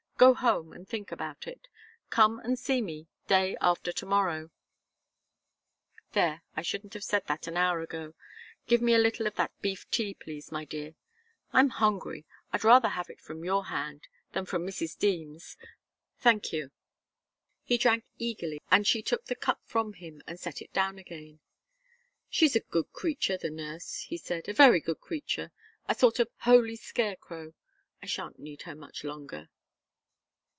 Go home and think about it. Come and see me day after to morrow there, I shouldn't have said that an hour ago give me a little of that beef tea, please, my dear. I'm hungry and I'd rather have it from your hand than from Mrs. Deems's. Thank you." He drank eagerly, and she took the cup from him and set it down again. "She's a good creature, the nurse," he said. "A very good creature a sort of holy scarecrow. I shan't need her much longer."